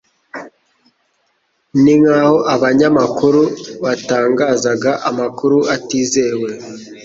ni nk'aho abanyamakuru batangazaga amakuru atizewe